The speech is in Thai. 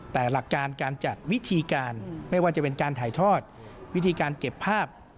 แต่หลักการการจัดวิธีการไม่ว่าจะเป็นการถ่ายทอดวิธีการเก็บภาพ